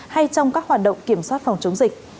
hay trong các hoạt động kiểm soát phòng chống dịch